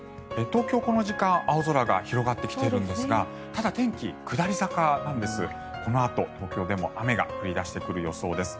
東京、この時間青空が広がってきているんですがただ天気、下り坂なんです。